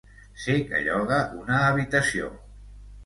Sé que lloga una habitació.